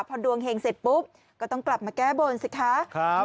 พอดวงเห็งเสร็จปุ๊บก็ต้องกลับมาแก้บนสิคะ